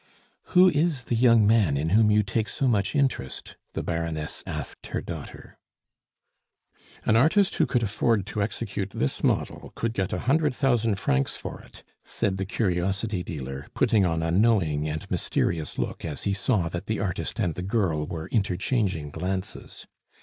"Who is the young man in whom you take so much interest?" the Baroness asked her daughter. "An artist who could afford to execute this model could get a hundred thousand francs for it," said the curiosity dealer, putting on a knowing and mysterious look as he saw that the artist and the girl were interchanging glances.